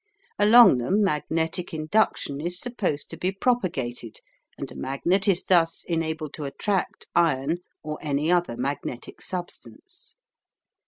Along them "magnetic induction" is supposed to be propagated, and a magnet is thus enabled to attract iron or any other magnetic substance.